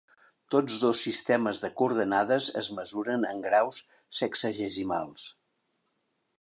Tots dos sistemes de coordenades es mesuren en graus sexagesimals.